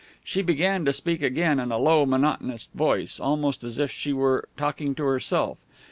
She began to speak again, in a low, monotonous voice, almost as if she were talking to herself.